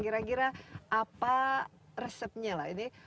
kira kira apa resepnya lah ini